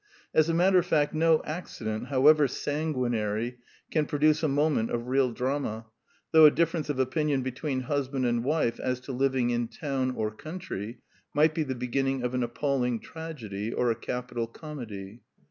As a matter of fact no accident, however sanguinary, can produce a moment of real drama, though a difference of opinion between husband and wife as to living in town or country might be the be ginning of an appalling tragedy or a capital comedy.